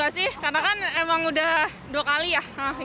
gak sih karena kan emang udah dua kali ya